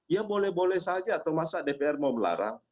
ya boleh boleh saja atau masa dpr mau melarang